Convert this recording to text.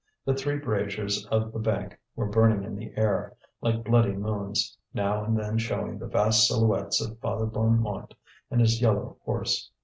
The three braziers of the bank were burning in the air, like bloody moons, now and then showing the vast silhouettes of Father Bonnemort and his yellow horse.